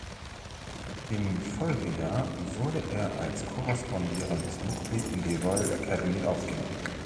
Im Folgejahr wurde er als korrespondierendes Mitglied in die Royal Academy aufgenommen.